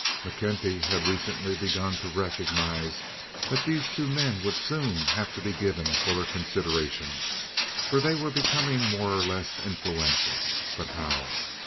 McKenty had recently begun to recognize that these two men would soon have to be given fuller consideration, for they were becoming more or less influential. But how?